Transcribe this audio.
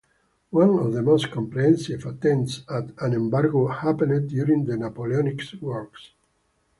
One of the most comprehensive attempts at an embargo happened during the Napoleonic Wars.